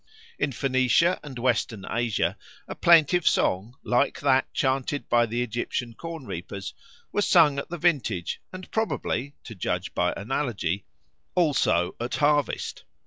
In Phoenicia and Western Asia a plaintive song, like that chanted by the Egyptian corn reapers, was sung at the vintage and probably (to judge by analogy) also at harvest.